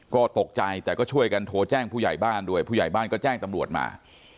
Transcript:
ก็ตกใจแต่ก็ช่วยกันโทรแจ้งผู้ใหญ่บ้านด้วยผู้ใหญ่บ้านก็แจ้งตำรวจมา